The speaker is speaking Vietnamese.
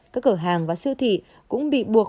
các cửa hàng và siêu thị cũng bị buộc